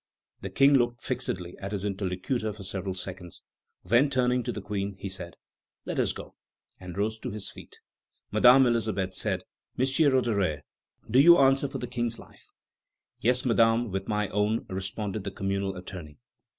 The King looked fixedly at his interlocutor for several seconds; then, turning to the Queen, he said: "Let us go," and rose to his feet. Madame Elisabeth said: "Monsieur Roederer, do you answer for the King's life?" "Yes, Madame, with my own," responded the communal attorney.